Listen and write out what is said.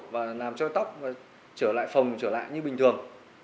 và làm cho tóc trở lại phồng trở lại như bình thường